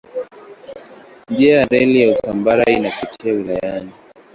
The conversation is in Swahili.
Njia ya reli ya Usambara inapita wilayani.